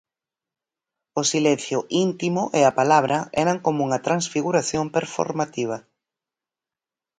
O silencio íntimo e a palabra eran como unha transfiguración performativa.